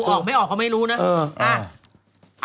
ออกไม่ออกเขาไม่รู้นะ